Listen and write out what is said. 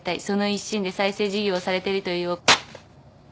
その一心で再生事業をされているという。